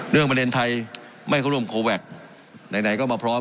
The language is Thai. ประเด็นไทยไม่เข้าร่วมโคแวคไหนก็มาพร้อม